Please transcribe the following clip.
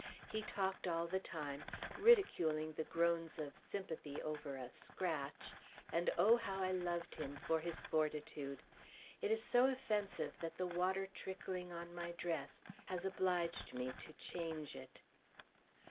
He talked all the time, ridiculing the groans of sympathy over a "scratch," and oh, how I loved him for his fortitude! It is so offensive that the water trickling on my dress has obliged me to change it.